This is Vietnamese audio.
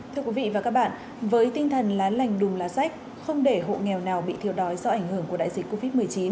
thưa quý vị và các bạn với tinh thần lá lành đùm lá sách không để hộ nghèo nào bị thiếu đói do ảnh hưởng của đại dịch covid một mươi chín